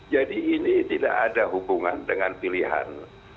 jadi ini tidak ada hubungan dengan pilihan satu